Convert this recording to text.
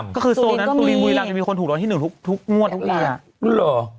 ซูลินก็มีก็คือโซนั้นซูลินบุรีรำจะมีคนถูกร้อนที่หนึ่งทุกงวดทุกเลี่ย